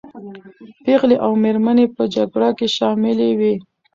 پېغلې او مېرمنې په جګړه کې شاملي وې.